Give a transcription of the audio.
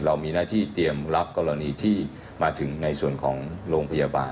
เรามีหน้าที่เตรียมรับกรณีที่มาถึงในส่วนของโรงพยาบาล